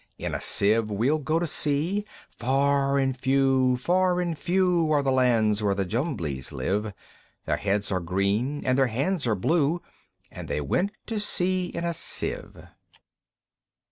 In a Sieve we'll go to sea!" Far and few, far and few, Are the lands where the Jumblies live; Their heads are green, and their hands are blue, And they went to sea in a Sieve.